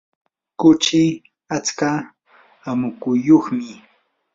kuchi atska amukuyuqmi.